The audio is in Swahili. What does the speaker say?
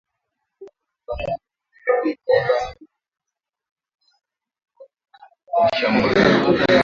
Ba askari bari beba minji na mioko iri kuya mu mashamba